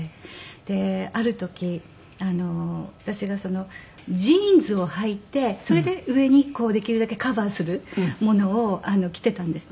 である時私がジーンズをはいてそれで上にできるだけカバーするものを着ていたんですね。